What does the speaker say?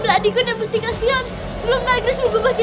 tapi mau mio siapa sudah sampai